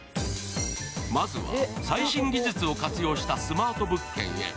まずは最新技術を活用したスマート物件へ。